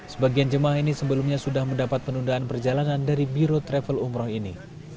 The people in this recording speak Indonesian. sebagian jemaah ini sebelumnya sudah mendapat penundaan perjalanan dari biro travel umroh ini